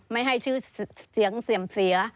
ไม่ให้ชื่อเสียงเสื่อมเสีย